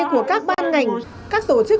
của các ban ngành các tổ chức